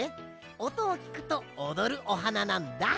おとをきくとおどるおはななんだ。